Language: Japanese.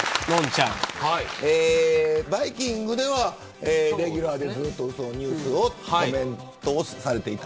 バイキングではレギュラーでずっとニュースのコメントをされていた。